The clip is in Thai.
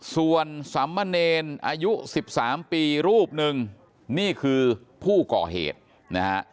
ส่วนสำมะเนรอายุ๑๓ปีรูปหนึ่งนี่คือผู้ก่อเหตุนะฮะ